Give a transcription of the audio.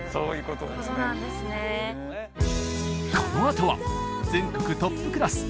このあとは全国トップクラス！